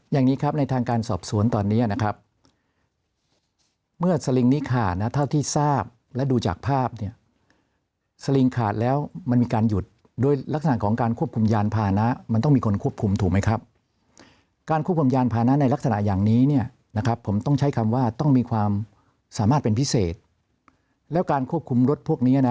อย่างนี้ครับในทางการสอบสวนตอนนี้นะครับเมื่อสลิงนี้ขาดนะเท่าที่ทราบและดูจากภาพเนี่ยสลิงขาดแล้วมันมีการหยุดโดยลักษณะของการควบคุมยานพานะมันต้องมีคนควบคุมถูกไหมครับการควบคุมยานพานะในลักษณะอย่างนี้เนี่ยนะครับผมต้องใช้คำว่าต้องมีความสามารถเป็นพิเศษแล้วการควบคุมรถพวกนี้นะ